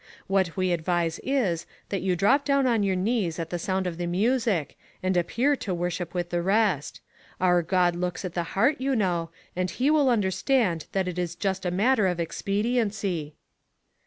What we advise is, that you drop down on your knees at the sound of the music, and appear to worship with the rest. Our God looks on the heart, you know, and he will understand that it is just a matter of expediency.'